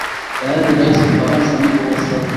tayari rais ufaransa nicholas sarkozy